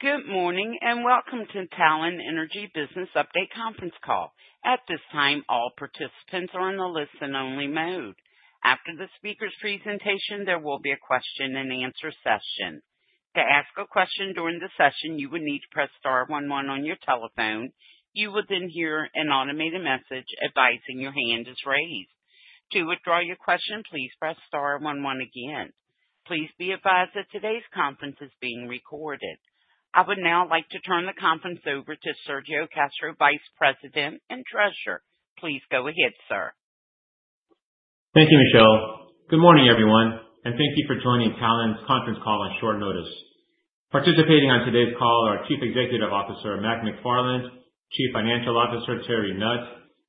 Good morning and welcome to the Talen Energy Business Update conference call. At this time, all participants are on a listen-only mode. After the speaker's presentation, there will be a question-and-answer session. To ask a question during the session, you would need to press star one one on your telephone. You will then hear an automated message advising your hand is raised. To withdraw your question, please press star one one again. Please be advised that today's conference is being recorded. I would now like to turn the conference over to Sergio Castro, Vice President and Treasurer. Please go ahead, sir. Thank you, Michelle. Good morning, everyone, and thank you for joining Talen's conference call on short notice. Participating on today's call are Chief Executive Officer, Mac McFarland, Chief Financial Officer, Terry Nutt,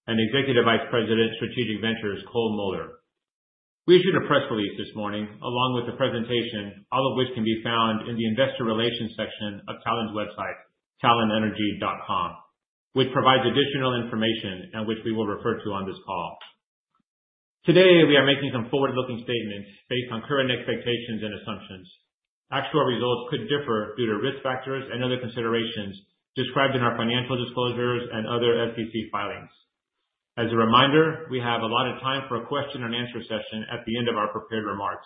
and Executive Vice President Strategic Ventures, Cole Muller. We issued a press release this morning along with a presentation, all of which can be found in the Investor Relations section of Talen's website, talenenergy.com, which provides additional information and which we will refer to on this call. Today, we are making some forward-looking statements based on current expectations and assumptions. Actual results could differ due to risk factors and other considerations described in our financial disclosures and other SEC filings. As a reminder, we have allotted time for a question-and-answer session at the end of our prepared remarks.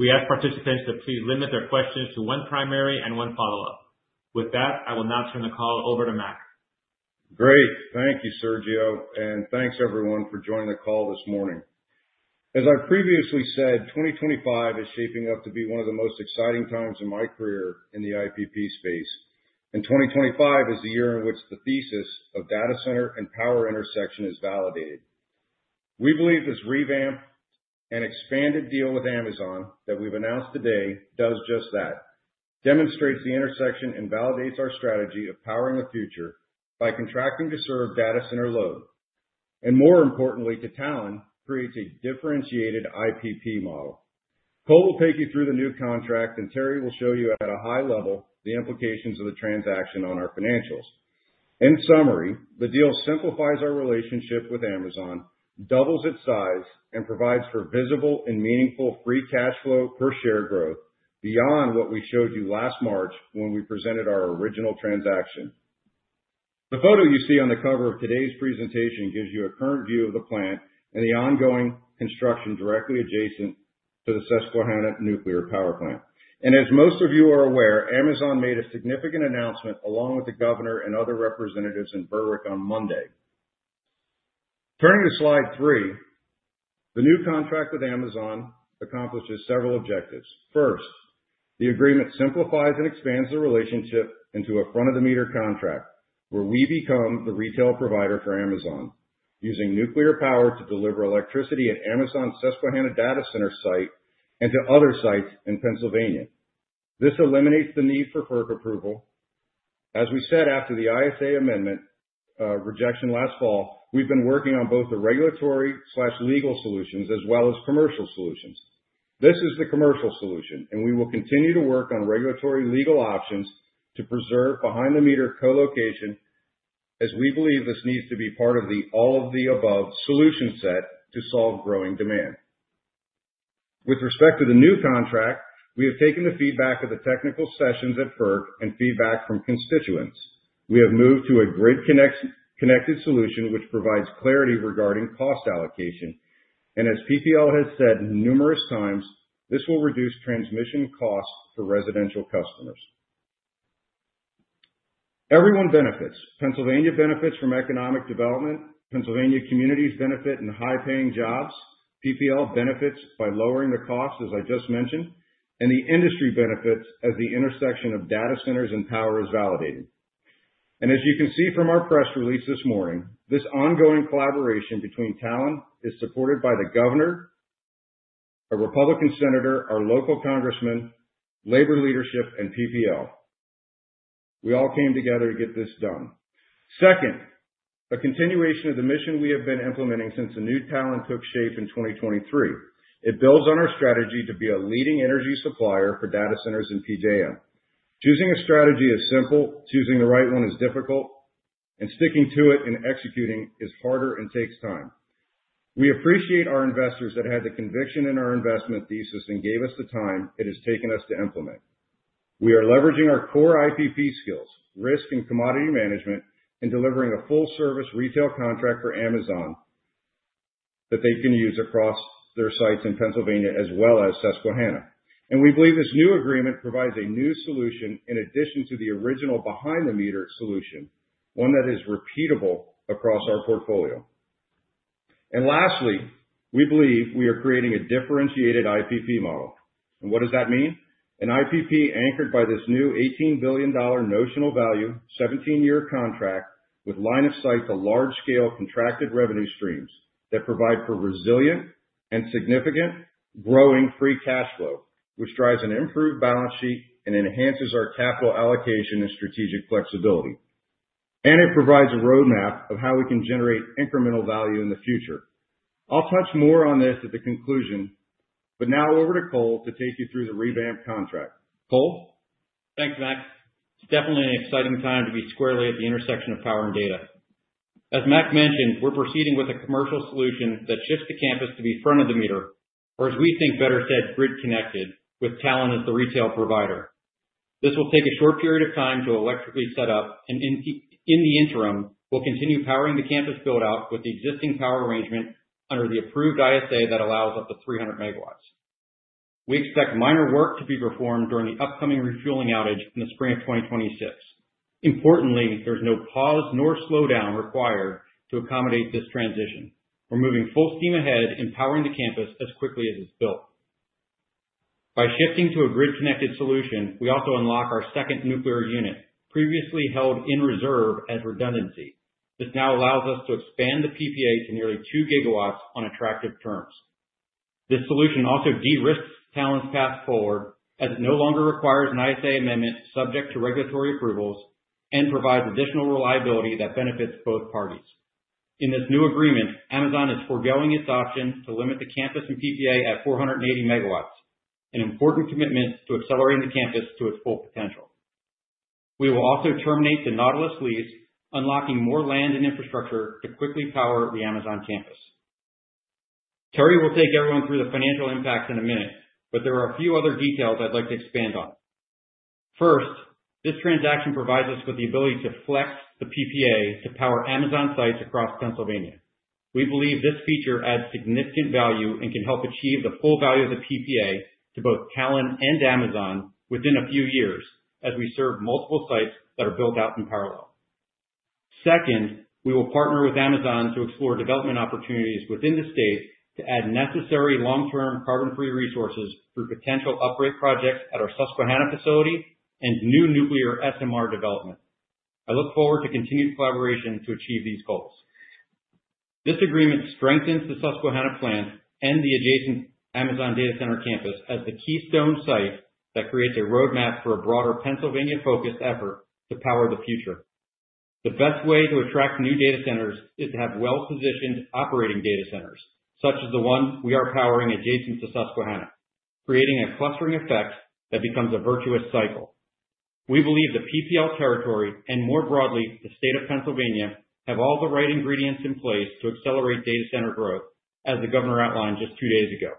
We ask participants to please limit their questions to one primary and one follow-up. With that, I will now turn the call over to Mac. Great. Thank you, Sergio, and thanks, everyone, for joining the call this morning. As I previously said, 2025 is shaping up to be one of the most exciting times in my career in the IPP space, and 2025 is the year in which the thesis of data center and power intersection is validated. We believe this revamped and expanded deal with Amazon that we've announced today does just that, demonstrates the intersection and validates our strategy of powering the future by contracting to serve data center load, and more importantly, to Talen, create a differentiated IPP model. Cole will take you through the new contract, and Terry will show you at a high level the implications of the transaction on our financials. In summary, the deal simplifies our relationship with Amazon, doubles its size, and provides for visible and meaningful free cash flow per share growth beyond what we showed you last March when we presented our original transaction. The photo you see on the cover of today's presentation gives you a current view of the plant and the ongoing construction directly adjacent to the Susquehanna Nuclear Power Plant. As most of you are aware, Amazon made a significant announcement along with the governor and other representatives in Berwick on Monday. Turning to slide three, the new contract with Amazon accomplishes several objectives. First, the agreement simplifies and expands the relationship into a front-of-the-meter contract where we become the retail provider for Amazon using nuclear power to deliver electricity at Amazon's Susquehanna data center site and to other sites in Pennsylvania. This eliminates the need for FERC approval. As we said after the ISA amendment rejection last fall, we've been working on both the regulatory/legal solutions as well as commercial solutions. This is the commercial solution, and we will continue to work on regulatory legal options to preserve behind-the-meter co-location as we believe this needs to be part of the all-of-the-above solution set to solve growing demand. With respect to the new contract, we have taken the feedback of the technical sessions at FERC and feedback from constituents. We have moved to a grid-connected solution which provides clarity regarding cost allocation, and as PPL has said numerous times, this will reduce transmission costs for residential customers. Everyone benefits. Pennsylvania benefits from economic development. Pennsylvania communities benefit in high-paying jobs. PPL benefits by lowering the costs, as I just mentioned, and the industry benefits as the intersection of data centers and power is validated. As you can see from our press release this morning, this ongoing collaboration between Talen is supported by the governor, a Republican senator, our local congressman, labor leadership, and PPL. We all came together to get this done. Second, a continuation of the mission we have been implementing since the new Talen took shape in 2023. It builds on our strategy to be a leading energy supplier for data centers in PJM. Choosing a strategy is simple. Choosing the right one is difficult, and sticking to it and executing is harder and takes time. We appreciate our investors that had the conviction in our investment thesis and gave us the time it has taken us to implement. We are leveraging our core IPP skills, risk, and commodity management, and delivering a full-service retail contract for Amazon that they can use across their sites in Pennsylvania as well as Susquehanna. We believe this new agreement provides a new solution in addition to the original behind-the-meter solution, one that is repeatable across our portfolio. Lastly, we believe we are creating a differentiated IPP model. What does that mean? An IPP anchored by this new $18 billion notional value, 17-year contract with line of sight to large-scale contracted revenue streams that provide for resilient and significant growing free cash flow, which drives an improved balance sheet and enhances our capital allocation and strategic flexibility. It provides a roadmap of how we can generate incremental value in the future. I will touch more on this at the conclusion, but now over to Cole to take you through the revamped contract. Cole? Thanks, Mac. It's definitely an exciting time to be squarely at the intersection of power and data. As Mac mentioned, we're proceeding with a commercial solution that shifts the campus to be front-of-the-meter, or as we think better said, grid-connected, with Talen as the retail provider. This will take a short period of time to electrically set up, and in the interim, we'll continue powering the campus build-out with the existing power arrangement under the approved ISA that allows up to 300 MW. We expect minor work to be performed during the upcoming refueling outage in the spring of 2026. Importantly, there's no pause nor slowdown required to accommodate this transition. We're moving full steam ahead, empowering the campus as quickly as it's built. By shifting to a grid-connected solution, we also unlock our second nuclear unit, previously held in reserve as redundancy. This now allows us to expand the PPA to nearly 2 GW on attractive terms. This solution also de-risks Talen's path forward as it no longer requires an ISA amendment subject to regulatory approvals and provides additional reliability that benefits both parties. In this new agreement, Amazon is foregoing its option to limit the campus and PPA at 480 MW, an important commitment to accelerating the campus to its full potential. We will also terminate the Nautilus lease, unlocking more land and infrastructure to quickly power the Amazon campus. Terry will take everyone through the financial impacts in a minute, but there are a few other details I'd like to expand on. First, this transaction provides us with the ability to flex the PPA to power Amazon sites across Pennsylvania. We believe this feature adds significant value and can help achieve the full value of the PPA to both Talen and Amazon within a few years as we serve multiple sites that are built out in parallel. Second, we will partner with Amazon to explore development opportunities within the state to add necessary long-term carbon-free resources through potential uprate projects at our Susquehanna facility and new nuclear SMR development. I look forward to continued collaboration to achieve these goals. This agreement strengthens the Susquehanna plant and the adjacent Amazon data center campus as the keystone site that creates a roadmap for a broader Pennsylvania-focused effort to power the future. The best way to attract new data centers is to have well-positioned operating data centers, such as the one we are powering adjacent to Susquehanna, creating a clustering effect that becomes a virtuous cycle. We believe the PPL territory and, more broadly, the state of Pennsylvania, have all the right ingredients in place to accelerate data center growth, as the governor outlined just two days ago.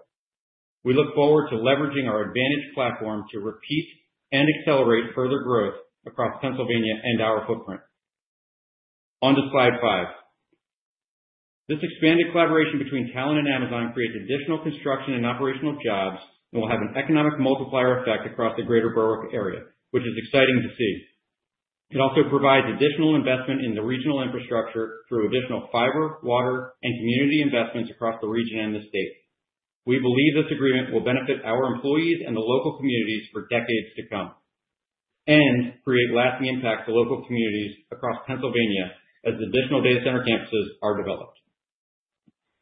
We look forward to leveraging our advantage platform to repeat and accelerate further growth across Pennsylvania and our footprint. On to slide five. This expanded collaboration between Talen and Amazon creates additional construction and operational jobs and will have an economic multiplier effect across the greater Berwick area, which is exciting to see. It also provides additional investment in the regional infrastructure through additional fiber, water, and community investments across the region and the state. We believe this agreement will benefit our employees and the local communities for decades to come and create lasting impacts to local communities across Pennsylvania as additional data center campuses are developed.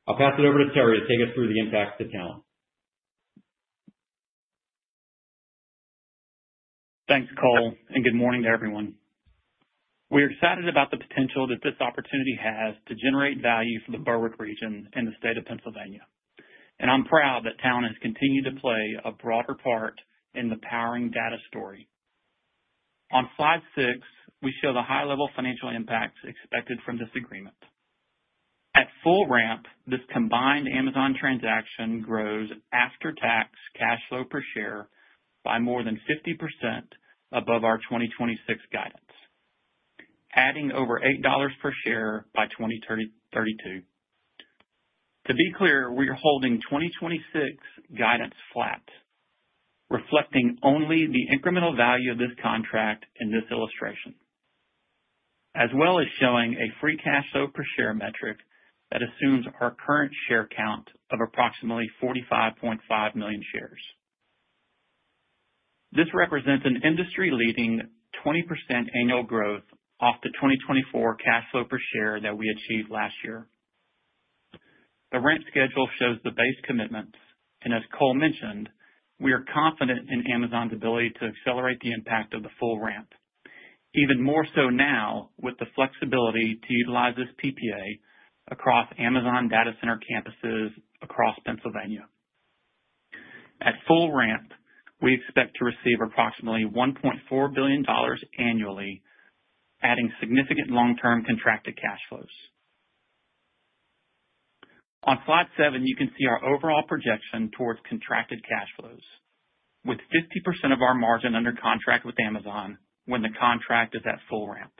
I'll pass it over to Terry to take us through the impacts to Talen. Thanks, Cole, and good morning to everyone. We are excited about the potential that this opportunity has to generate value for the Berwick region and the state of Pennsylvania. I'm proud that Talen has continued to play a broader part in the powering data story. On slide six, we show the high-level financial impacts expected from this agreement. At full ramp, this combined Amazon transaction grows after-tax cash flow per share by more than 50% above our 2026 guidance, adding over $8 per share by 2032. To be clear, we are holding 2026 guidance flat, reflecting only the incremental value of this contract in this illustration, as well as showing a free cash flow per share metric that assumes our current share count of approximately 45.5 million shares. This represents an industry-leading 20% annual growth off the 2024 cash flow per share that we achieved last year. The ramp schedule shows the base commitments, and as Cole mentioned, we are confident in Amazon's ability to accelerate the impact of the full ramp, even more so now with the flexibility to utilize this PPA across Amazon data center campuses across Pennsylvania. At full ramp, we expect to receive approximately $1.4 billion annually, adding significant long-term contracted cash flows. On slide seven, you can see our overall projection towards contracted cash flows, with 50% of our margin under contract with Amazon when the contract is at full ramp.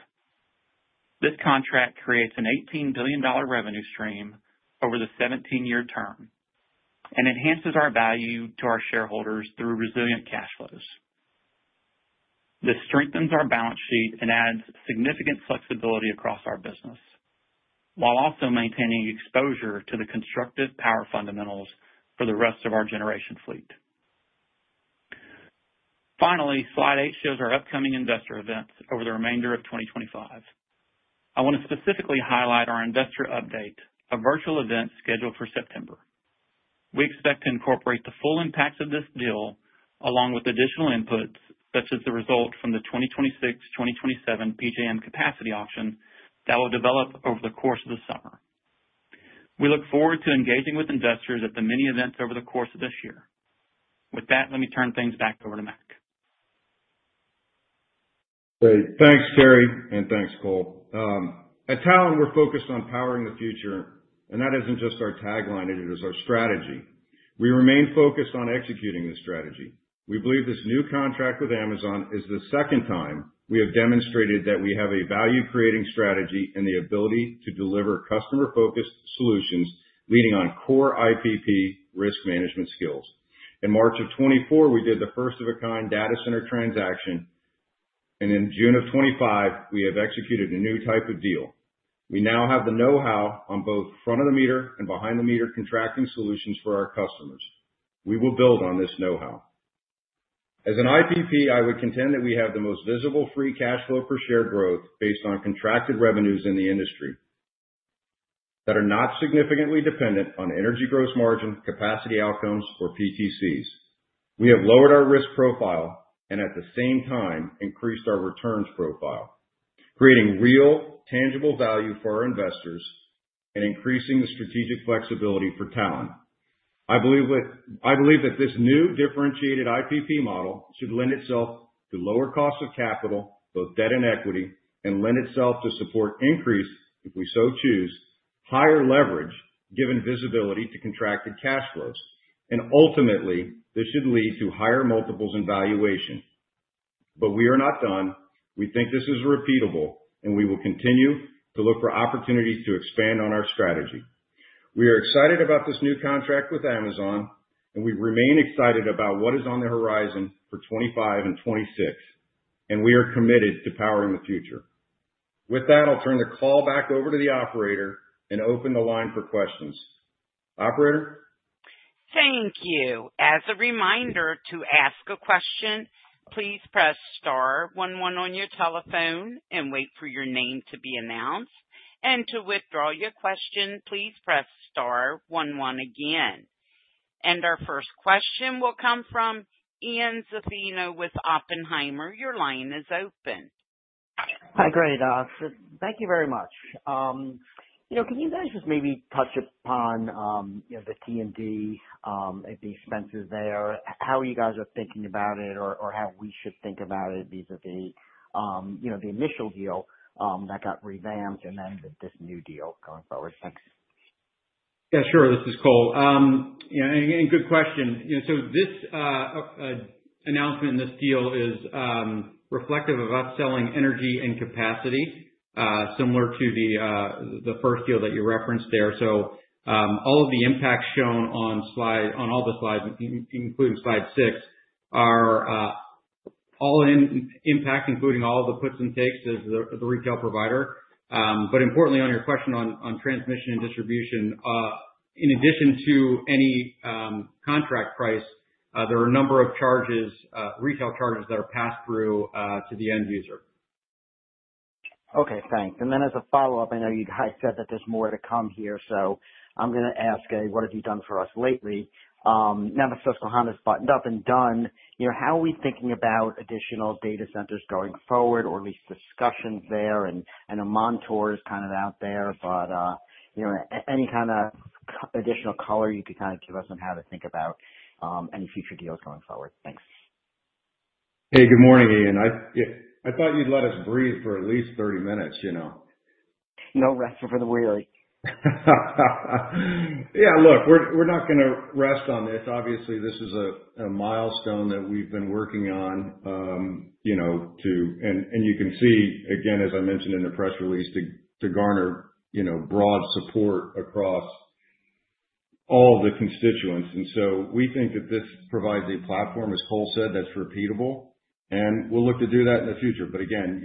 This contract creates an $18 billion revenue stream over the 17-year term and enhances our value to our shareholders through resilient cash flows. This strengthens our balance sheet and adds significant flexibility across our business while also maintaining exposure to the constructive power fundamentals for the rest of our generation fleet. Finally, slide eight shows our upcoming investor events over the remainder of 2025. I want to specifically highlight our investor update, a virtual event scheduled for September. We expect to incorporate the full impacts of this deal along with additional inputs such as the result from the 2026-2027 PJM capacity auction that will develop over the course of the summer. We look forward to engaging with investors at the many events over the course of this year. With that, let me turn things back over to Mac. Great. Thanks, Terry, and thanks, Cole. At Talen, we're focused on powering the future, and that isn't just our tagline. It is our strategy. We remain focused on executing this strategy. We believe this new contract with Amazon is the second time we have demonstrated that we have a value-creating strategy and the ability to deliver customer-focused solutions leading on core IPP risk management skills. In March of 2024, we did the first-of-a-kind data center transaction, and in June of 2025, we have executed a new type of deal. We now have the know-how on both front-of-the-meter and behind-the-meter contracting solutions for our customers. We will build on this know-how. As an IPP, I would contend that we have the most visible free cash flow per share growth based on contracted revenues in the industry that are not significantly dependent on energy gross margin, capacity outcomes, or PTCs. We have lowered our risk profile and, at the same time, increased our returns profile, creating real, tangible value for our investors and increasing the strategic flexibility for Talen. I believe that this new differentiated IPP model should lend itself to lower costs of capital, both debt and equity, and lend itself to support increase, if we so choose, higher leverage given visibility to contracted cash flows. Ultimately, this should lead to higher multiples in valuation. We are not done. We think this is repeatable, and we will continue to look for opportunities to expand on our strategy. We are excited about this new contract with Amazon, and we remain excited about what is on the horizon for 2025 and 2026, and we are committed to powering the future. With that, I'll turn the call back over to the operator and open the line for questions. Operator? Thank you. As a reminder, to ask a question, please press star one one on your telephone and wait for your name to be announced. To withdraw your question, please press star one one again. Our first question will come from Ian Zaffino with Oppenheimer. Your line is open. Hi, great. Thank you very much. Can you guys just maybe touch upon the T&D and the expenses there, how you guys are thinking about it, or how we should think about it vis-à-vis the initial deal that got revamped and then this new deal going forward? Thanks. Yeah, sure. This is Cole. Good question. This announcement and this deal is reflective of us selling energy and capacity, similar to the first deal that you referenced there. All of the impacts shown on all the slides, including slide six, are all in impact, including all the puts and takes as the retail provider. Importantly, on your question on transmission and distribution, in addition to any contract price, there are a number of retail charges that are passed through to the end user. Okay. Thanks. As a follow-up, I know you guys said that there's more to come here, so I'm going to ask, what have you done for us lately? Now that Susquehanna's buttoned up and done, how are we thinking about additional data centers going forward, or at least discussions there? A Montour is kind of out there, but any kind of additional color you could kind of give us on how to think about any future deals going forward? Thanks. Hey, good morning, Ian. I thought you'd let us breathe for at least 30 minutes. No rest for the weary. Yeah. Look, we're not going to rest on this. Obviously, this is a milestone that we've been working on. You can see, again, as I mentioned in the press release, to garner broad support across all the constituents. We think that this provides a platform, as Cole said, that's repeatable, and we'll look to do that in the future. Again,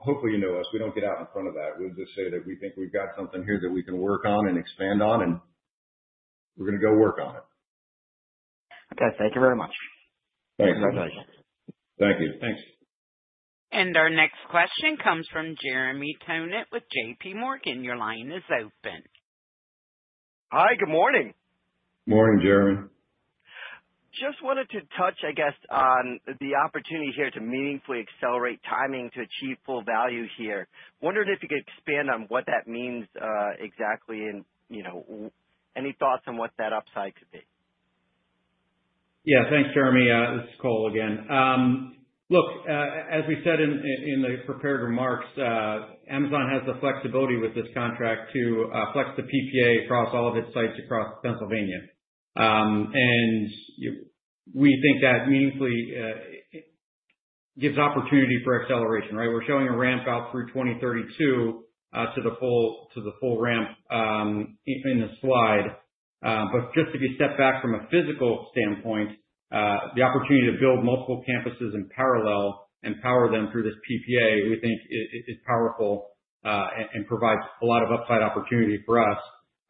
hopefully, you know us. We don't get out in front of that. We'll just say that we think we've got something here that we can work on and expand on, and we're going to go work on it. Okay. Thank you very much. Thanks. Thank you. Thanks. Our next question comes from Jeremy Tonet with JPMorgan. Your line is open. Hi. Good morning. Morning, Jeremy. Just wanted to touch, I guess, on the opportunity here to meaningfully accelerate timing to achieve full value here. Wondering if you could expand on what that means exactly and any thoughts on what that upside could be. Yeah. Thanks, Jeremy. This is Cole again. Look, as we said in the prepared remarks, Amazon has the flexibility with this contract to flex the PPA across all of its sites across Pennsylvania. We think that meaningfully gives opportunity for acceleration, right? We're showing a ramp out through 2032 to the full ramp in the slide. Just if you step back from a physical standpoint, the opportunity to build multiple campuses in parallel and power them through this PPA, we think, is powerful and provides a lot of upside opportunity for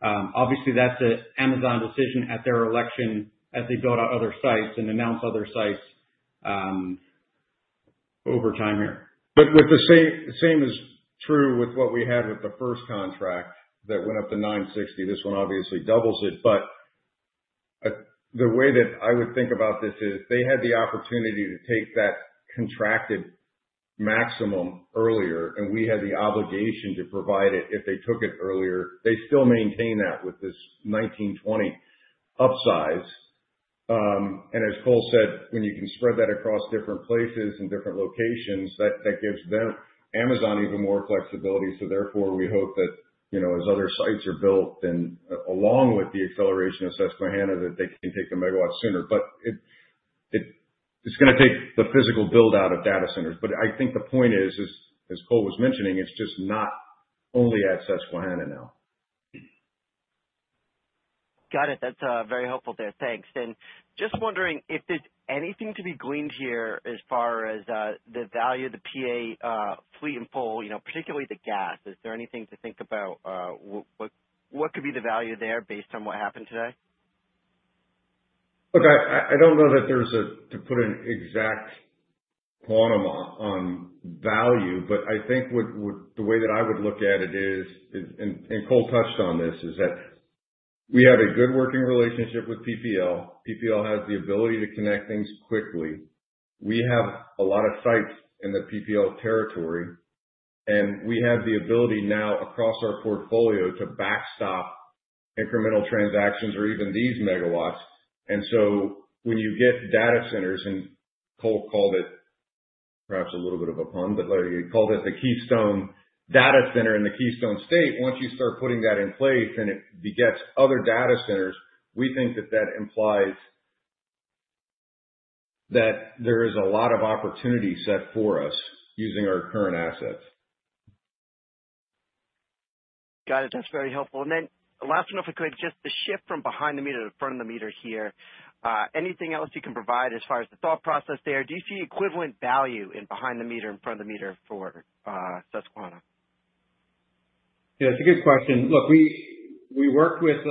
us. Obviously, that's an Amazon decision at their election as they build out other sites and announce other sites over time here. The same is true with what we had with the first contract that went up to 960 [MW Cumulus data center]. This one obviously doubles it. The way that I would think about this is they had the opportunity to take that contracted maximum earlier, and we had the obligation to provide it if they took it earlier. They still maintain that with this 1920 MW upsize. As Cole said, when you can spread that across different places and different locations, that gives Amazon even more flexibility. Therefore, we hope that as other sites are built and along with the acceleration of Susquehanna, they can take the megawatts sooner. It is going to take the physical build-out of data centers. I think the point is, as Cole was mentioning, it is just not only at Susquehanna now. Got it. That's very helpful there. Thanks. Just wondering if there's anything to be gleaned here as far as the value of the PA fleet in PPL, particularly the gas. Is there anything to think about? What could be the value there based on what happened today? Look, I do not know that there is a, to put an exact quantum on value, but I think the way that I would look at it is, and Cole touched on this, is that we have a good working relationship with PPL. PPL has the ability to connect things quickly. We have a lot of sites in the PPL territory, and we have the ability now across our portfolio to backstop incremental transactions or even these megawatts. Once you get data centers, and Cole called it perhaps a little bit of a pun, but he called it the Keystone Data Center in the Keystone State, once you start putting that in place and it begets other data centers, we think that that implies that there is a lot of opportunity set for us using our current assets. Got it. That's very helpful. Last one if I could, just the shift from behind-the-meter to front-of-the-meter here. Anything else you can provide as far as the thought process there? Do you see equivalent value in behind-the-meter and front-of-the-meter for Susquehanna? Yeah. It's a good question. Look, we worked with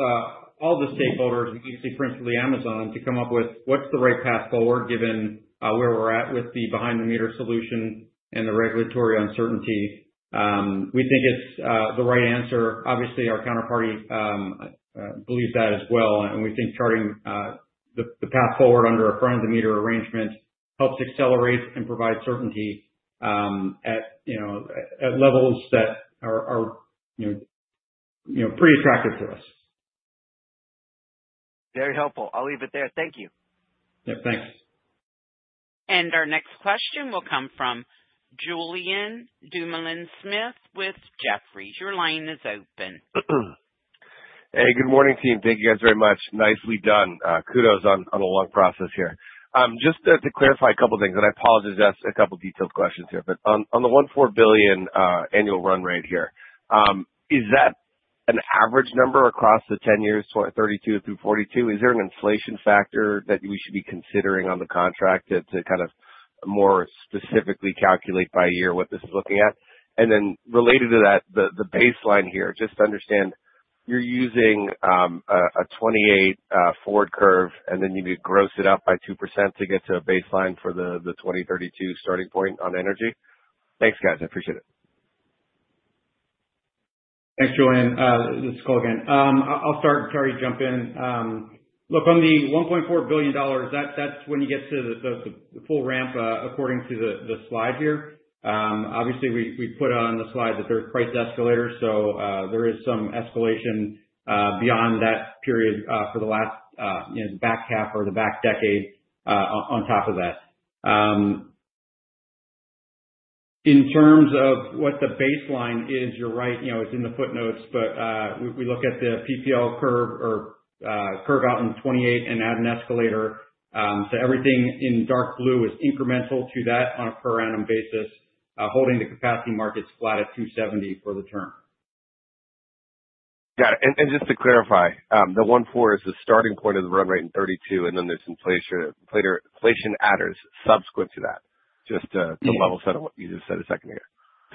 all the stakeholders, and obviously, principally Amazon, to come up with what's the right path forward given where we're at with the behind-the-meter solution and the regulatory uncertainty. We think it's the right answer. Obviously, our counterparty believes that as well. We think charting the path forward under a front-of-the-meter arrangement helps accelerate and provide certainty at levels that are pretty attractive to us. Very helpful. I'll leave it there. Thank you. Yep. Thanks. Our next question will come from Julien Dumoulin-Smith with Jefferies. Your line is open. Hey. Good morning, team. Thank you guys very much. Nicely done. Kudos on the long process here. Just to clarify a couple of things, and I apologize to ask a couple of detailed questions here, but on the $1.4 billion annual run rate here, is that an average number across the 10 years, 2032 through 2042? Is there an inflation factor that we should be considering on the contract to kind of more specifically calculate by year what this is looking at? Then related to that, the baseline here, just to understand, you're using a 2028 forward curve, and then you need to gross it up by 2% to get to a baseline for the 2032 starting point on energy? Thanks, guys. I appreciate it. Thanks, Julien. This is Cole again. I'll start. Terry, jump in. Look, on the $1.4 billion, that's when you get to the full ramp according to the slide here. Obviously, we put on the slide that there's price escalators, so there is some escalation beyond that period for the last back half or the back decade on top of that. In terms of what the baseline is, you're right. It's in the footnotes, but we look at the PPL curve or curve out in 2028 and add an escalator. So everything in dark blue is incremental to that on a per annum basis, holding the capacity markets flat at $270 for the term. Got it. Just to clarify, the $1.4 billion is the starting point of the run rate in 2032, and then there's inflation adders subsequent to that, just to level set on what you just said a second ago,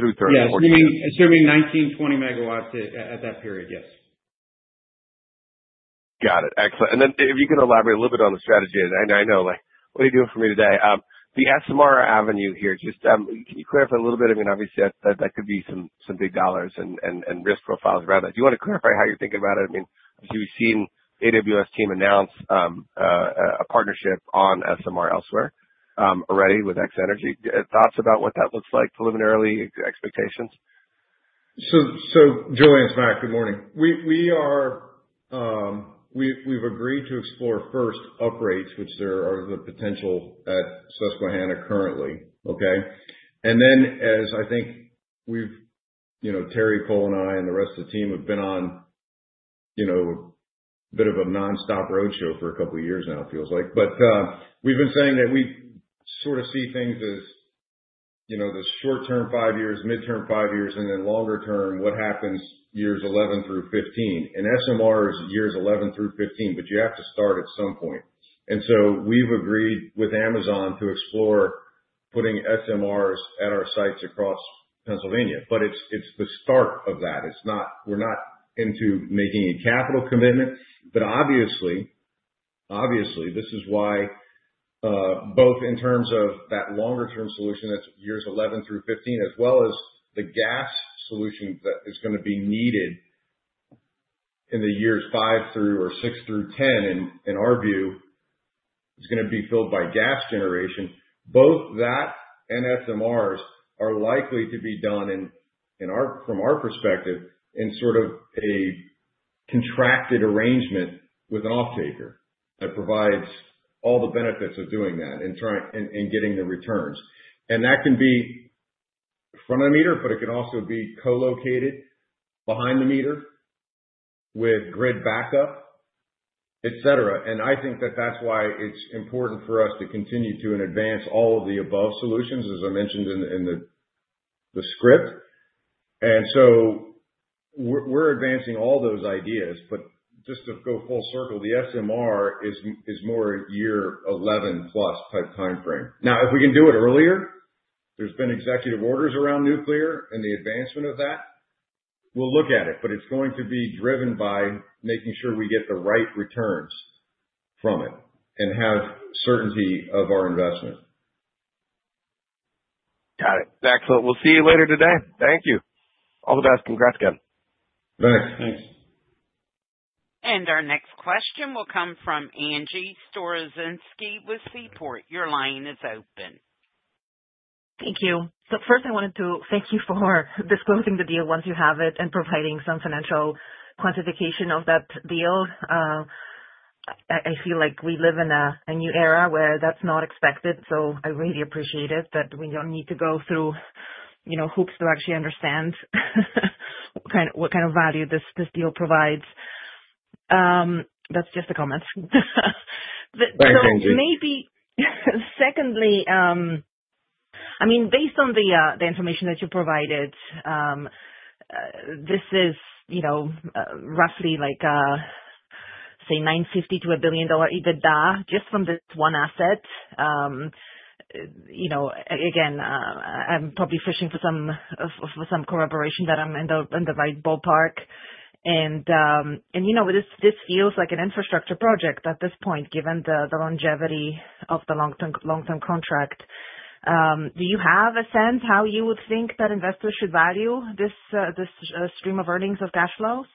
through 2042. Yeah. Assuming 1920 MW at that period, yes. Got it. Excellent. If you could elaborate a little bit on the strategy, and I know, what are you doing for me today? The SMR avenue here, just can you clarify a little bit? I mean, obviously, that could be some big dollars and risk profiles around that. Do you want to clarify how you're thinking about it? I mean, obviously, we've seen AWS team announce a partnership on SMR elsewhere already with X-energy. Thoughts about what that looks like, preliminarily? Expectations? Julien, it's Mac, good morning. We've agreed to explore first up rates, which there are the potential at Susquehanna currently, okay? As I think we've, Terry, Cole, and I and the rest of the team have been on a bit of a nonstop roadshow for a couple of years now, it feels like. We've been saying that we sort of see things as the short-term five years, midterm five years, and then longer term, what happens years 11 through 15. SMR is years 11 through 15, but you have to start at some point. We've agreed with Amazon to explore putting SMRs at our sites across Pennsylvania. It's the start of that. We're not into making a capital commitment, but obviously, this is why both in terms of that longer-term solution that's years 11 through 15, as well as the gas solution that is going to be needed in the years five through or six through 10, in our view, is going to be filled by gas generation. Both that and SMRs are likely to be done, from our perspective, in sort of a contracted arrangement with an off-taker that provides all the benefits of doing that and getting the returns. That can be front-of-the-meter, but it can also be co-located behind-the-meter with grid backup, etc. I think that that's why it's important for us to continue to advance all of the above solutions, as I mentioned in the script. We're advancing all those ideas. Just to go full circle, the SMR is more year 11 plus type timeframe. Now, if we can do it earlier, there's been executive orders around nuclear and the advancement of that. We'll look at it, but it's going to be driven by making sure we get the right returns from it and have certainty of our investment. Got it. Excellent. We'll see you later today. Thank you. All the best. Congrats again. Thanks. Thanks. Our next question will come from Angie Storozynski with Seaport. Your line is open. Thank you. First, I wanted to thank you for disclosing the deal once you have it and providing some financial quantification of that deal. I feel like we live in a new era where that's not expected, so I really appreciate it that we don't need to go through hoops to actually understand what kind of value this deal provides. That's just a comment. Right, thank you. Maybe secondly, I mean, based on the information that you provided, this is roughly like, say, $950 million to $1 billion EBITDA just from this one asset. Again, I'm probably fishing for some corroboration that I'm in the right ballpark. This feels like an infrastructure project at this point, given the longevity of the long-term contract. Do you have a sense how you would think that investors should value this stream of earnings or cash flows?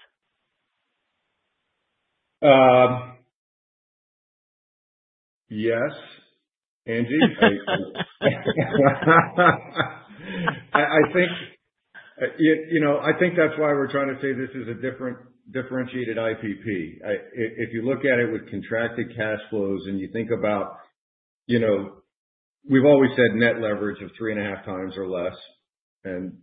Yes. Angie? I think that's why we're trying to say this is a differentiated IPP. If you look at it with contracted cash flows and you think about we've always said net leverage of 3.5x or less,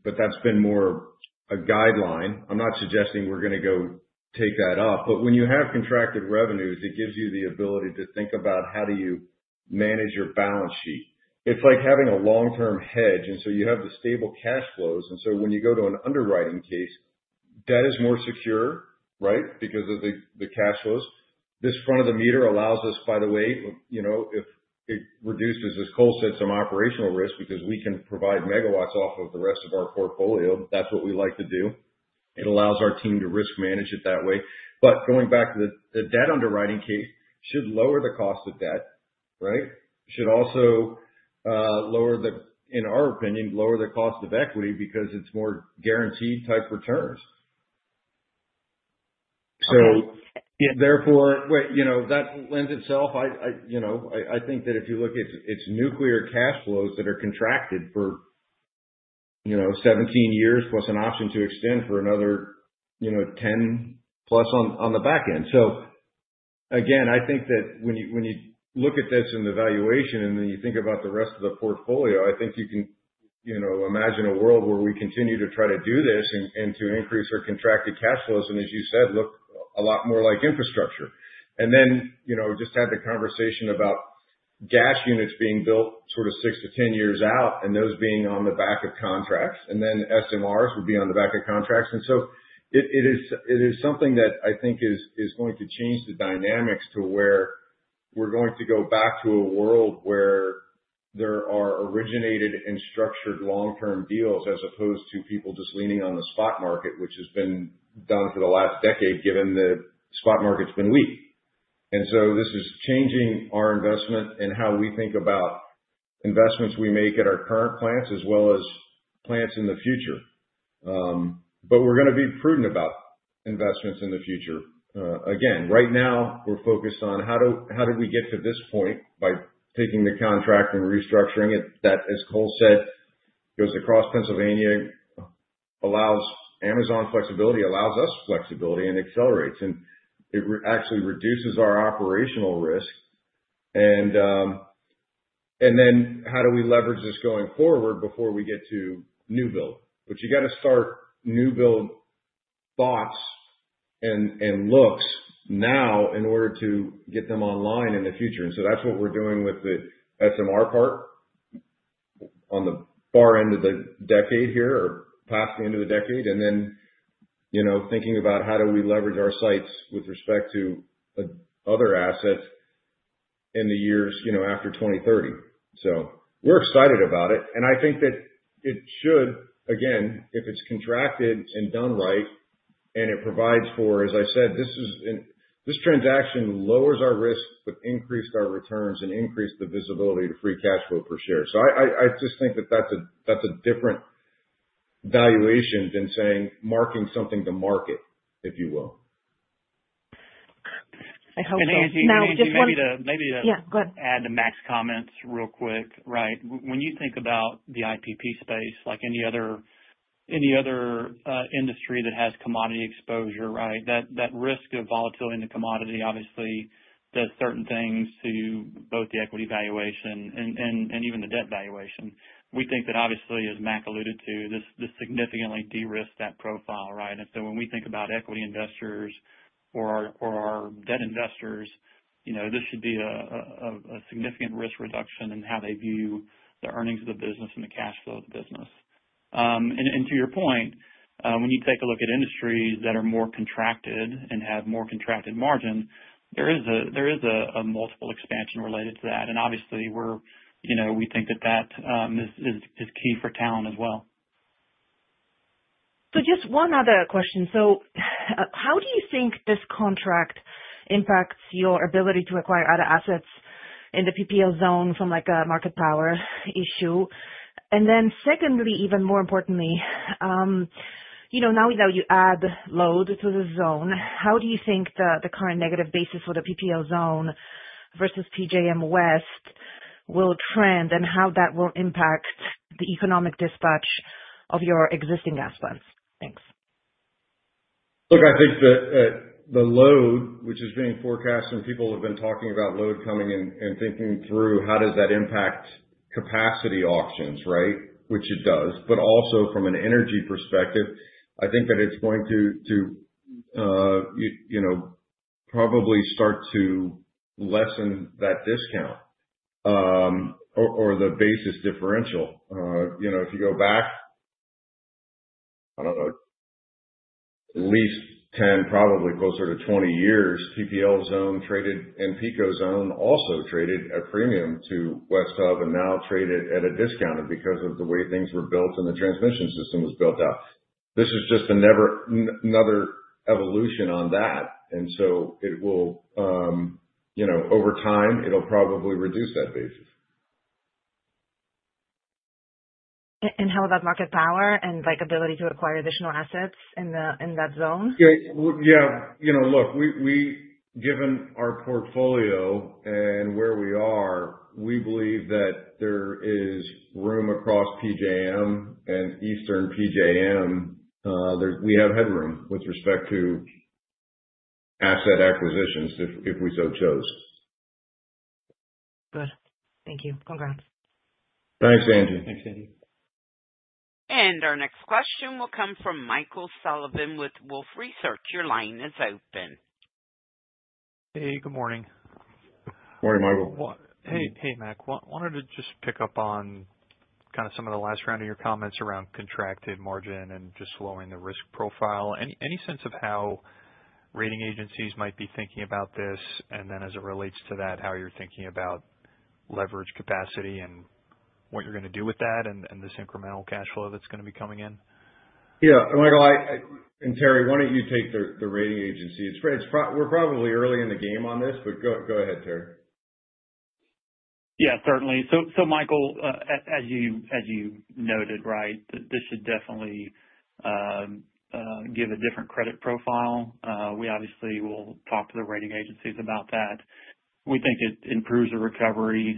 but that's been more a guideline. I'm not suggesting we're going to go take that up. When you have contracted revenues, it gives you the ability to think about how do you manage your balance sheet. It's like having a long-term hedge. You have the stable cash flows. When you go to an underwriting case, that is more secure, right, because of the cash flows. This front-of-the-meter allows us, by the way, if it reduces as Cole said, some operational risk because we can provide megawatts off of the rest of our portfolio. That's what we like to do. It allows our team to risk manage it that way. Going back to the debt underwriting case, should lower the cost of debt, right? Should also lower, in our opinion, lower the cost of equity because it's more guaranteed type returns. Therefore, that lends itself, I think that if you look at it's nuclear cash flows that are contracted for 17 years plus an option to extend for another 10 plus on the back end. Again, I think that when you look at this and the valuation and then you think about the rest of the portfolio, I think you can imagine a world where we continue to try to do this and to increase our contracted cash flows. As you said, look a lot more like infrastructure. I just had the conversation about gas units being built sort of six-10 years out and those being on the back of contracts. SMRs would be on the back of contracts. It is something that I think is going to change the dynamics to where we're going to go back to a world where there are originated and structured long-term deals as opposed to people just leaning on the spot market, which has been done for the last decade given the spot market's been weak. This is changing our investment and how we think about investments we make at our current plants as well as plants in the future. We're going to be prudent about investments in the future. Again, right now, we're focused on how did we get to this point by taking the contract and restructuring it that, as Cole said, goes across Pennsylvania, allows Amazon flexibility, allows us flexibility and accelerates. It actually reduces our operational risk. How do we leverage this going forward before we get to new build? You have to start new build thoughts and looks now in order to get them online in the future. That is what we're doing with the SMR part on the far end of the decade here or past the end of the decade. Thinking about how do we leverage our sites with respect to other assets in the years after 2030. We're excited about it. I think that it should, again, if it's contracted and done right and it provides for, as I said, this transaction lowers our risk but increased our returns and increased the visibility to free cash flow per share. I just think that that's a different valuation than saying marking something to market, if you will. Maybe to. Yeah. Go ahead. Add to Mac's comments real quick, right? When you think about the IPP space, like any other industry that has commodity exposure, right, that risk of volatility in the commodity obviously does certain things to both the equity valuation and even the debt valuation. We think that obviously, as Mac alluded to, this significantly de-risked that profile, right? When we think about equity investors or our debt investors, this should be a significant risk reduction in how they view the earnings of the business and the cash flow of the business. To your point, when you take a look at industries that are more contracted and have more contracted margin, there is a multiple expansion related to that. Obviously, we think that that is key for Talen as well. Just one other question. How do you think this contract impacts your ability to acquire other assets in the PPL zone from a market power issue? Secondly, even more importantly, now that you add load to the zone, how do you think the current negative basis for the PPL zone versus PJM West will trend and how that will impact the economic dispatch of your existing gas plants? Thanks. Look, I think that the load, which is being forecast and people have been talking about load coming and thinking through how does that impact capacity auctions, right, which it does, but also from an energy perspective, I think that it's going to probably start to lessen that discount or the basis differential. If you go back, I don't know, at least 10, probably closer to 20 years, PPL zone traded and PECO zone also traded at premium to West Hub and now traded at a discount because of the way things were built and the transmission system was built out. This is just another evolution on that. It will, over time, it'll probably reduce that basis. How about market power and ability to acquire additional assets in that zone? Yeah. Yeah. Look, given our portfolio and where we are, we believe that there is room across Western PJM and Eastern PJM. We have headroom with respect to asset acquisitions if we so chose. Good. Thank you. Congrats. Thanks, Angie. Thanks, Angie. Our next question will come from Michael Sullivan with Wolfe Research. Your line is open. Hey, good morning. Morning, Michael. Hey, Mac. Wanted to just pick up on kind of some of the last round of your comments around contracted margin and just slowing the risk profile. Any sense of how rating agencies might be thinking about this? As it relates to that, how you're thinking about leverage capacity and what you're going to do with that and the incremental cash flow that's going to be coming in? Yeah. Terry, why don't you take the rating agency? We're probably early in the game on this, but go ahead, Terry. Yeah, certainly. Michael, as you noted, right, this should definitely give a different credit profile. We obviously will talk to the rating agencies about that. We think it improves the recovery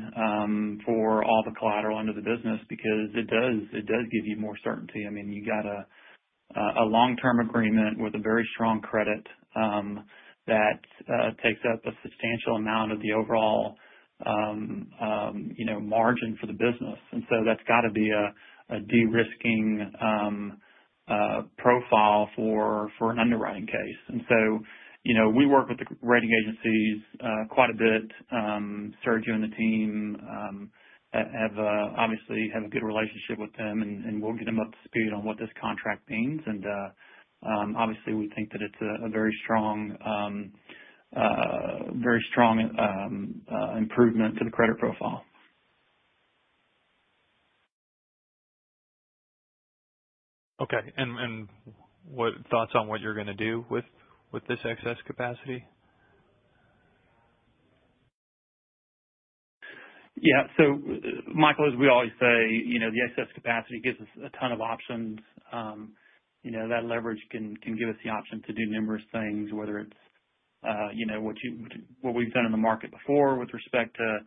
for all the collateral under the business because it does give you more certainty. I mean, you got a long-term agreement with a very strong credit that takes up a substantial amount of the overall margin for the business. That has got to be a de-risking profile for an underwriting case. We work with the rating agencies quite a bit. Sergio and the team obviously have a good relationship with them, and we'll get them up to speed on what this contract means. Obviously, we think that it's a very strong improvement to the credit profile. Okay. What thoughts on what you're going to do with this excess capacity? Yeah. Michael, as we always say, the excess capacity gives us a ton of options. That leverage can give us the option to do numerous things, whether it's what we've done in the market before with respect to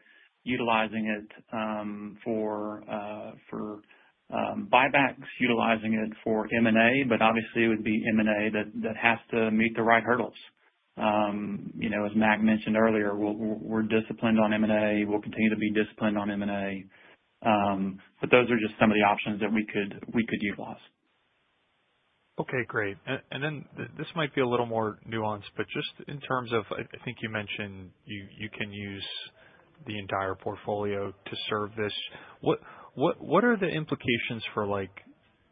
utilizing it for buybacks, utilizing it for M&A, but obviously, it would be M&A that has to meet the right hurdles. As Mac mentioned earlier, we're disciplined on M&A. We'll continue to be disciplined on M&A. Those are just some of the options that we could utilize. Okay. Great. This might be a little more nuanced, but just in terms of I think you mentioned you can use the entire portfolio to serve this. What are the implications for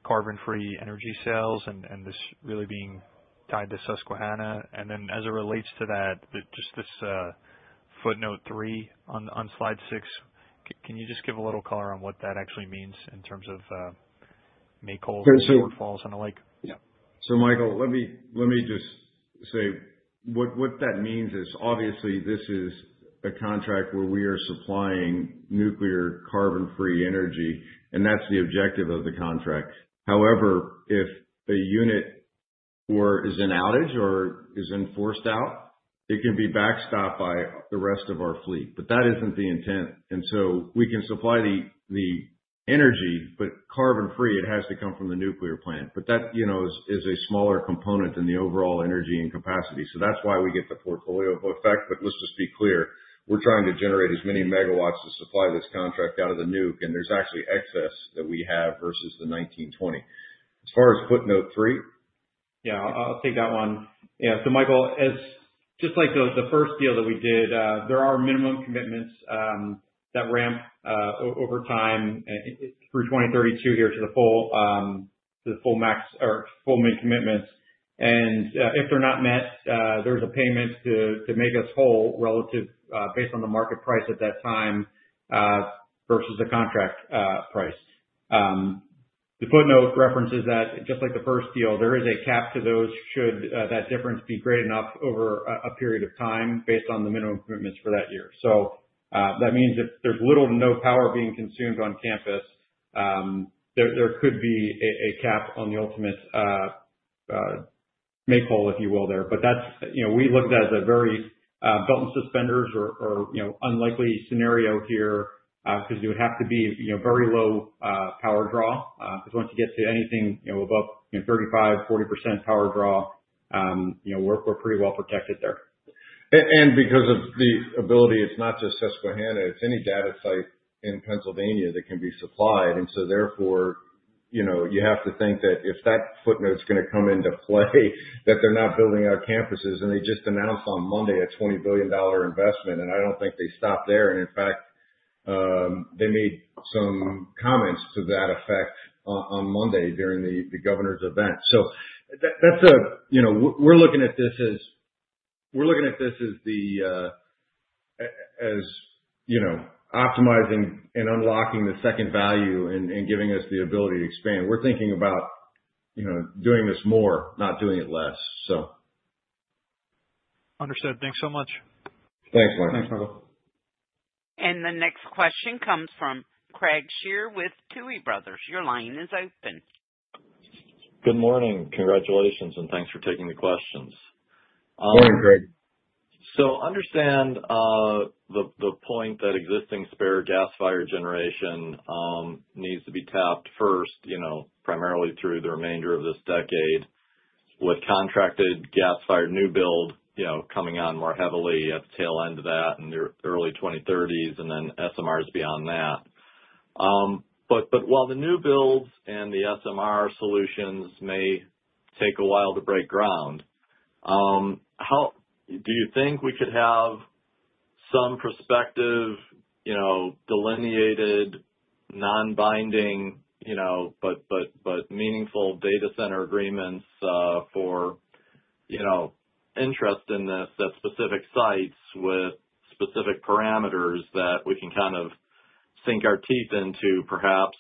carbon-free energy sales and this really being tied to Susquehanna? As it relates to that, just this footnote three on slide six, can you just give a little color on what that actually means in terms of make-whole or falls on the like? Michael, let me just say what that means is obviously this is a contract where we are supplying nuclear carbon-free energy, and that's the objective of the contract. However, if a unit is in outage or is enforced out, it can be backstopped by the rest of our fleet. That isn't the intent. We can supply the energy, but carbon-free, it has to come from the nuclear plant. That is a smaller component than the overall energy and capacity. That's why we get the portfolio effect. Let's just be clear. We're trying to generate as many megawatts to supply this contract out of the nuke, and there's actually excess that we have versus the 1920 MW. As far as footnote three? Yeah. I'll take that one. Yeah. So Michael, just like the first deal that we did, there are minimum commitments that ramp over time through 2032 here to the full max or full min commitments. If they're not met, there's a payment to make us whole relative based on the market price at that time versus the contract price. The footnote references that just like the first deal, there is a cap to those. Should that difference be great enough over a period of time based on the minimum commitments for that year? That means if there's little to no power being consumed on campus, there could be a cap on the ultimate make-whole, if you will, there. We looked at it as a very belt and suspenders or unlikely scenario here because you would have to be very low power draw. Because once you get to anything above 35%-40% power draw, we're pretty well protected there. Because of the ability, it's not just Susquehanna. It's any data site in Pennsylvania that can be supplied. Therefore, you have to think that if that footnote's going to come into play, that they're not building out campuses and they just announced on Monday a $20 billion investment. I don't think they stopped there. In fact, they made some comments to that effect on Monday during the governor's event. We're looking at this as optimizing and unlocking the second value and giving us the ability to expand. We're thinking about doing this more, not doing it less. Understood. Thanks so much. Thanks, Michael. Thanks, Michael. The next question comes from Craig Shere with Tuohy Brothers. Your line is open. Good morning. Congratulations and thanks for taking the questions. Morning, Craig. I understand the point that existing spare gas-fired generation needs to be tapped first, primarily through the remainder of this decade with contracted gas-fired new build coming on more heavily at the tail end of that and the early 2030s and then SMRs beyond that. While the new builds and the SMR solutions may take a while to break ground, do you think we could have some prospective delineated non-binding but meaningful data center agreements for interest in those specific sites with specific parameters that we can kind of sink our teeth into perhaps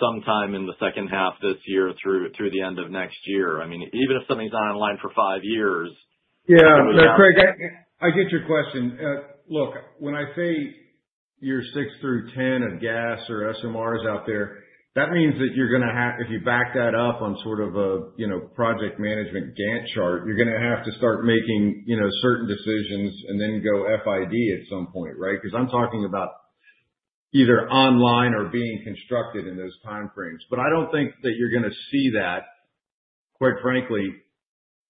sometime in the second half of this year through the end of next year? I mean, even if something's not online for five years. Yeah. Craig, I get your question. Look, when I say year six through 10 of gas or SMRs out there, that means that you're going to have, if you back that up on sort of a project management Gantt chart, you're going to have to start making certain decisions and then go FID at some point, right? Because I'm talking about either online or being constructed in those time frames. I do not think that you're going to see that, quite frankly, in the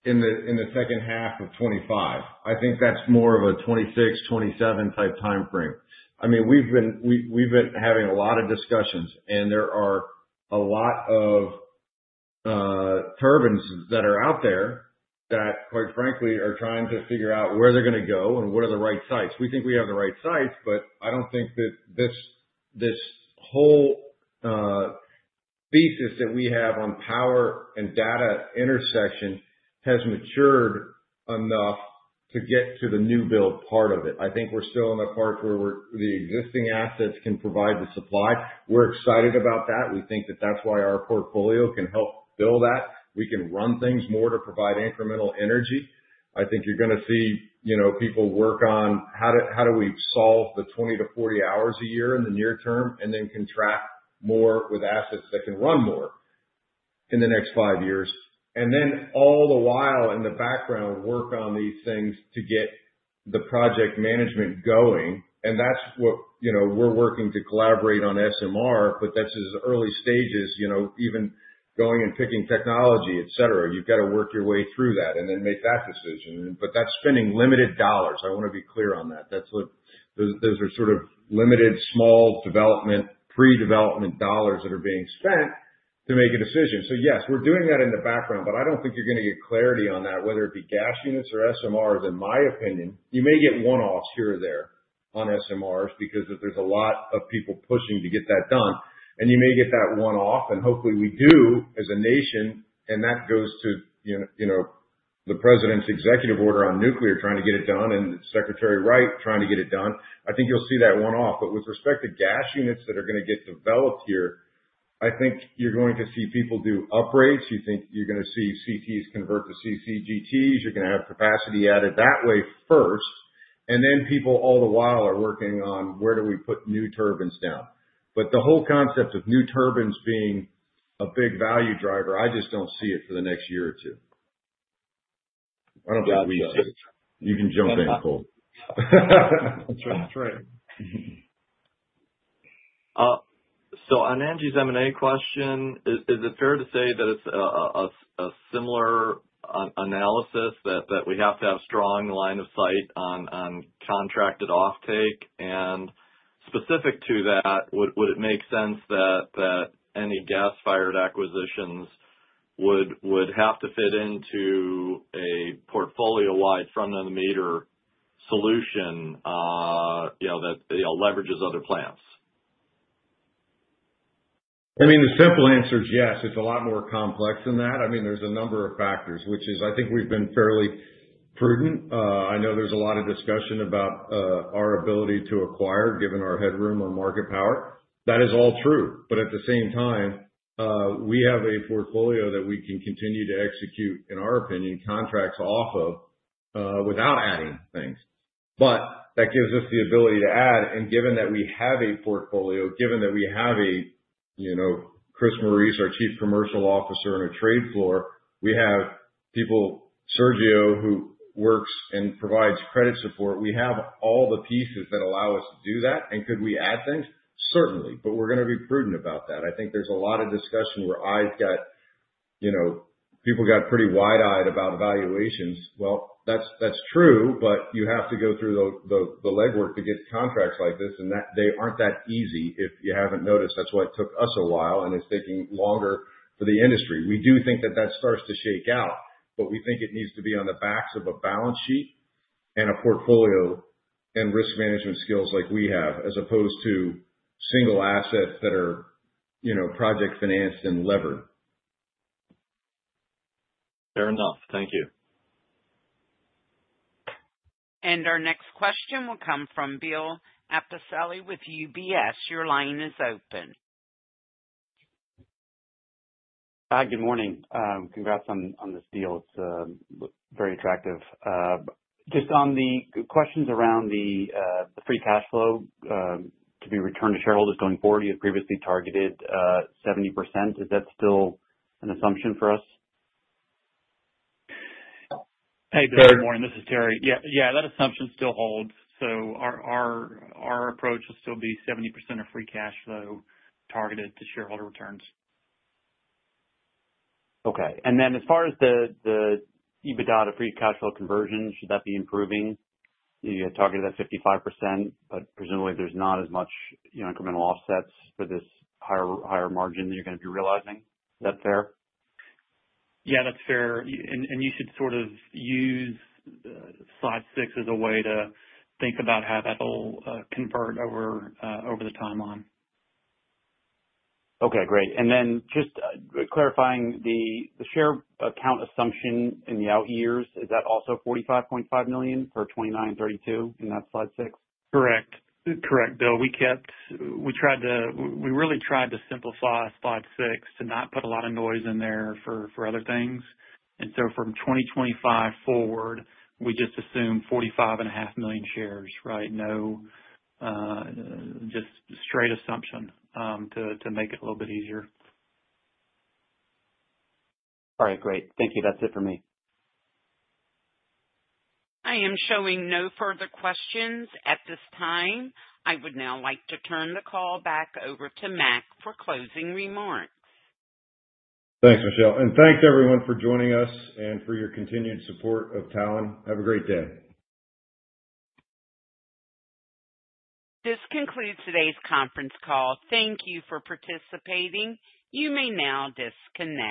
second half of 2025. I think that's more of a 2026, 2027 type timeframe. I mean, we've been having a lot of discussions, and there are a lot of turbines that are out there that, quite frankly, are trying to figure out where they're going to go and what are the right sites. We think we have the right sites, but I don't think that this whole thesis that we have on power and data intersection has matured enough to get to the new build part of it. I think we're still in the part where the existing assets can provide the supply. We're excited about that. We think that that's why our portfolio can help build that. We can run things more to provide incremental energy. I think you're going to see people work on how do we solve the 20 hours-40 hours a year in the near-term and then contract more with assets that can run more in the next five years. All the while in the background, work on these things to get the project management going. That is what we are working to collaborate on with SMR, but that is at early stages, even going and picking technology, etc. You have to work your way through that and then make that decision. That is spending limited dollars. I want to be clear on that. Those are sort of limited small development, pre-development dollars that are being spent to make a decision. Yes, we are doing that in the background, but I do not think you are going to get clarity on that, whether it be gas units or SMRs, in my opinion. You may get one-offs here or there on SMRs because there are a lot of people pushing to get that done. You may get that one-off, and hopefully we do as a nation, and that goes to the President's Executive Order on nuclear trying to get it done and Secretary Wright trying to get it done. I think you'll see that one-off. With respect to gas units that are going to get developed here, I think you're going to see people do upgrades. You think you're going to see CTs convert to CCGTs. You're going to have capacity added that way first. People all the while are working on where do we put new turbines down. The whole concept of new turbines being a big value driver, I just don't see it for the next year or two. I don't think we see it. You can jump in, Cole. That's right. On Angie's M&A question, is it fair to say that it's a similar analysis that we have to have strong line of sight on contracted offtake? Specific to that, would it make sense that any gas-fired acquisitions would have to fit into a portfolio-wide front-of-the-meter solution that leverages other plants? I mean, the simple answer is yes. It is a lot more complex than that. I mean, there are a number of factors, which is I think we have been fairly prudent. I know there is a lot of discussion about our ability to acquire given our headroom or market power. That is all true. At the same time, we have a portfolio that we can continue to execute, in our opinion, contracts off of without adding things. That gives us the ability to add. Given that we have a portfolio, given that we have a Chris Morice, our Chief Commercial Officer, on a trade floor, we have people, Sergio, who works and provides credit support. We have all the pieces that allow us to do that. Could we add things? Certainly. We are going to be prudent about that. I think there is a lot of discussion where eyes got, people got pretty wide-eyed about evaluations. That is true, but you have to go through the legwork to get contracts like this, and they are not that easy. If you have not noticed, that is why it took us a while, and it is taking longer for the industry. We do think that that starts to shake out, but we think it needs to be on the backs of a balance sheet and a portfolio and risk management skills like we have, as opposed to single assets that are project financed and levered. Fair enough. Thank you. Our next question will come from Bill Appicelli with UBS. Your line is open. Hi, good morning. Congrats on this deal. It's very attractive. Just on the questions around the free cash flow to be returned to shareholders going forward, you had previously targeted 70%. Is that still an assumption for us? Hey, good morning. This is Terry. Yeah. That assumption still holds. Our approach will still be 70% of free cash flow targeted to shareholder returns. Okay. As far as the EBITDA to free cash flow conversion, should that be improving? You had targeted at 55%, but presumably there's not as much incremental offsets for this higher margin that you're going to be realizing. Is that fair? Yeah, that's fair. You should sort of use slide six as a way to think about how that'll convert over the timeline. Okay. Great. And then just clarifying the share count assumption in the out years, is that also 45.5 million shares for 2029 and 2032 in that slide six? Correct. Correct, Bill. We tried to, we really tried to simplify slide six to not put a lot of noise in there for other things. From 2025 forward, we just assume 45.5 million shares, right? Just straight assumption to make it a little bit easier. All right. Great. Thank you. That's it for me. I am showing no further questions at this time. I would now like to turn the call back over to Mac for closing remarks. Thanks, Michelle. And thanks, everyone, for joining us and for your continued support of Talen. Have a great day. This concludes today's conference call. Thank you for participating. You may now disconnect.